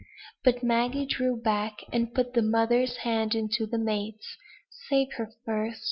But Maggie drew back, and put the mother's hand into the mate's. "Save her first!"